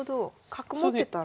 角持ってたら。